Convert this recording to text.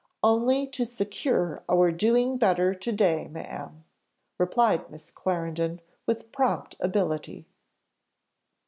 "Only to secure our doing better to day, ma'am," replied Miss Clarendon with prompt ability.